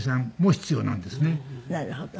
なるほど。